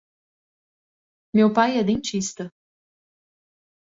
Meu pai é dentista.